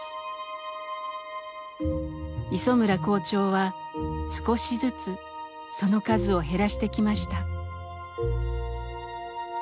磯村校長は少しずつその数を減らしてきました。